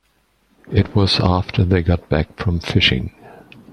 It was after they got back from fishing.